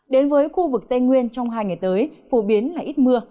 đến với khu vực tây nguyên trong hai ngày tới phổ biến là ít mưa